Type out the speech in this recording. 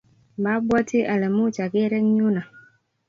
mabwatii ale much ager eng yu no.